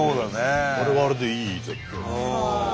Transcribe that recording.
あれはあれでいい絶景ですよね。